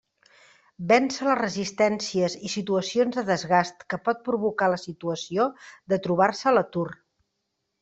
Vèncer les resistències i situacions de desgast que pot provocar la situació de trobar-se a l'atur.